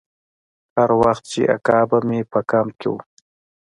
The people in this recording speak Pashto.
هر وخت چې اکا به مې په کمپ کښې و.